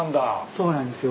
そうなんですよ。